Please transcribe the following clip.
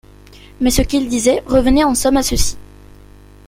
Mais ce qu'il disait revenait en somme à ceci.